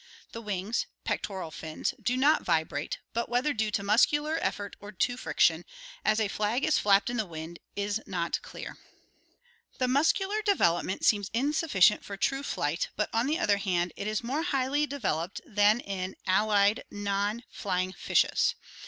The wings (pectoral fins) do vibrate, but whether due to muscular effort or to friction, as a flag is flapped in the wind, is not clear. The muscular development seems insufficient for true flight, but on the other hand it is more highly developed than in allied non 356 ORGANIC EVOLUTION (From British Museum flying fishes.